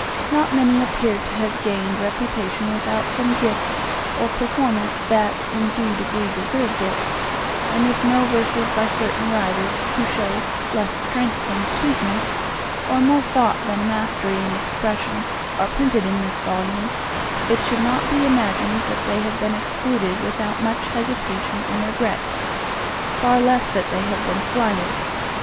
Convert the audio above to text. Not many appear to have gained reputation without some gift or performance that, in due degree, deserved it; and if no verses by certain writers who show less strength than sweetness, or more thought than mastery in expression, are printed in this volume, it should not be imagined that they have been excluded without much hesitation and regret, far less that they have been slighted.